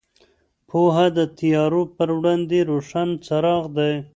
پوهه د تیارو پر وړاندې روښان څراغ دی.